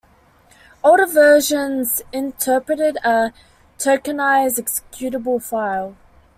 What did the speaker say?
Older versions interpreted a tokenized executable file.